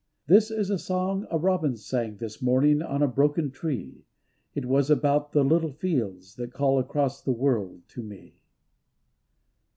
This is a song a robin sang This morning on a broken tree, It was about the little fields That call across the world to me.